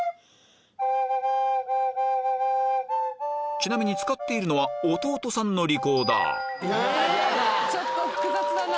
ちなみに使っているのは弟さんのリコーダーちょっと複雑だな。